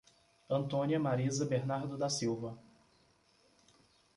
Antônia Mariza Bernardo da Silva